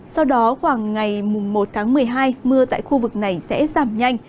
sau đó khoảng ngày một tháng một mươi hai mưa tại khu vực này sẽ giảm nhanh